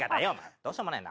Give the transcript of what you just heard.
どうしようもないな。